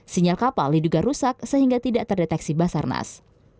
sinyal kapal diduga rusak sehingga tidak terdeteksi basarnas